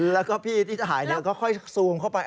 แล้วก็พี่ที่จะหายก็ค่อยซูมเข้าไป